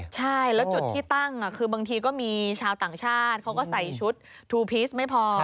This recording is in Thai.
ใช่แล้วจุดที่ตั้งคือบางทีก็มีชาวต่างชาติเขาก็ใส่ชุดทูพีชไม่พอ